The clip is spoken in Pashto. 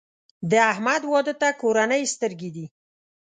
د احمد واده ته کورنۍ سترګې دي.